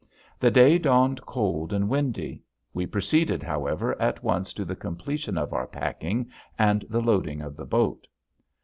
The day dawned cold and windy. We proceeded however at once to the completion of our packing and the loading of the boat.